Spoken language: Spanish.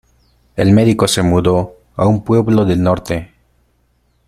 El médico se mudó a un pueblo del norte.